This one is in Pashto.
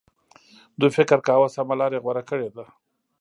دوی فکر کاوه سمه لار یې غوره کړې ده.